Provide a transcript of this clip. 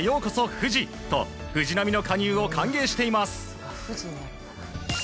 フジ！と藤浪の加入を歓迎しています。